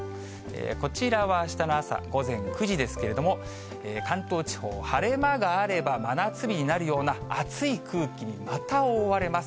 こちらはあしたの朝、午前９時ですけれども、関東地方、晴れ間があれば、真夏日になるような暑い空気にまた覆われます。